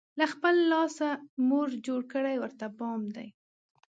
له خپل لاسه، مور جوړ کړی ورته بام دی